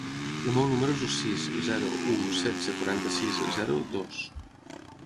El meu número es el sis, zero, u, setze, quaranta-sis, zero, dos.